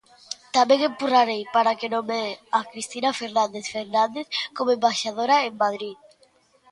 Tamén empurrarei para que nomee a Cristina Fernández Fernández como embaixadora en Madrid.